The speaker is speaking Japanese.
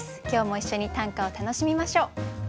今日も一緒に短歌を楽しみましょう。